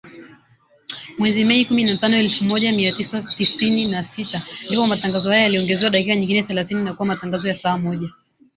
Mwezi Mei, kumi na tano elfu Moja Mia tisa tisini na sita , ndipo matangazo hayo yaliongezewa dakika nyingine thelathini na kuwa matangazo ya saa moja